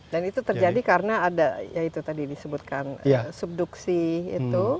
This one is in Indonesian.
dan itu terjadi karena ada ya itu tadi disebutkan subduksi itu